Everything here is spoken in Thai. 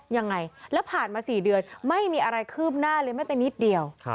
ยังไงแล้วผ่านมา๔เดือนไม่มีอะไรคืบหน้าเลยแม้แต่นิดเดียว